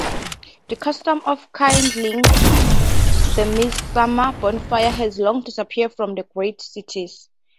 The custom of kindling the midsummer bonfires has long disappeared from the great cities.